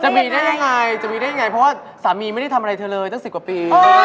จะมีได้ยังไงเพราะว่าสามีไม่ได้ทำอะไรเธอเลยจ้าง๑๐กว่าปี